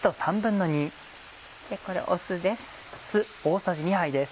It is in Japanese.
これ酢です。